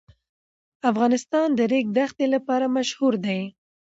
افغانستان د ریګ دښتې لپاره مشهور دی.